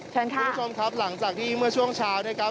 คุณผู้ชมครับหลังจากที่เมื่อช่วงเช้านะครับ